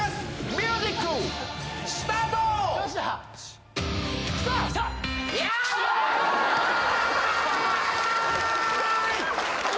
ミュージックスタートヤーイ！